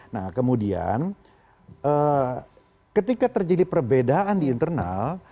nah kemudian ketika terjadi perbedaan di internal